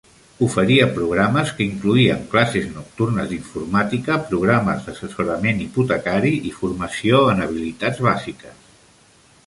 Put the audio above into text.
Oferia programes que incloïen classes nocturnes d'informàtica, programes d'assessorament hipotecari i formació en habilitats bàsiques.